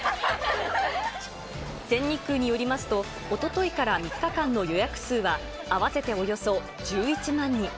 全日空によりますと、おとといから３日間の予約数は合わせておよそ１１万人。